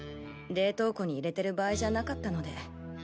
冷凍庫に入れてる場合じゃなかったので。